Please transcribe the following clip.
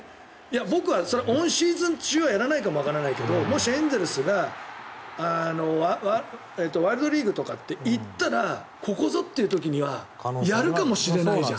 僕は、それはオンシーズン中はやらないかもわからないけどもしエンゼルスがワールドリーグとかに行ったらここぞという時にはやるかもしれないじゃん。